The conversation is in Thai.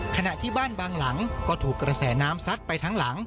ขณะที่บ้านบางหลังก็ถูกกระแสน้ำซัดไปทั้งหลัง